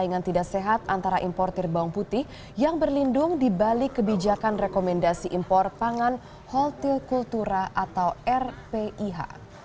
peringatan tidak sehat antara importer bawang putih yang berlindung dibalik kebijakan rekomendasi impor pangan holti kultura atau rphih